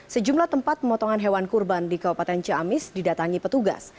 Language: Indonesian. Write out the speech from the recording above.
sejumlah tempat pemotongan hewan kurban di kabupaten ciamis didatangi petugas